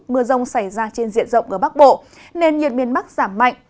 mưa rông xảy ra trên diện rộng ở bắc bộ nền nhiệt miền bắc giảm mạnh